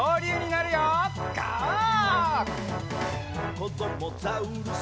「こどもザウルス